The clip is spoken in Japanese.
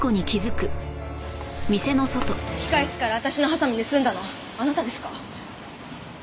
控室から私のハサミ盗んだのあなたですか？